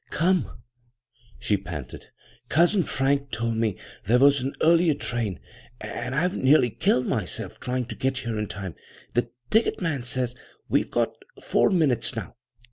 " Come," she panted. " Cousin Frank told me there was an earlier train, and I've nearly killed myself trying to get here in time. The ticket man says we've got four minutes now.